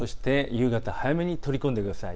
夕方、早めに取り込んでください。